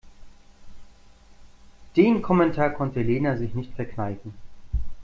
Den Kommentar konnte Lena sich nicht verkneifen.